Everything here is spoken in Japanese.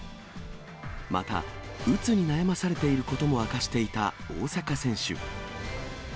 また、うつに悩まされていることも明かしていた大坂選手。